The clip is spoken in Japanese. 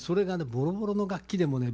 ボロボロの楽器でもね